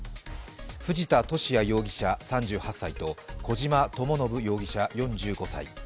藤田聖也容疑者３８歳と小島智信容疑者４５歳。